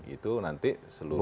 itu nanti seluruhnya